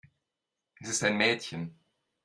Es ist ein Mädchen.